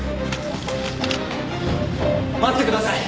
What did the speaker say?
待ってください。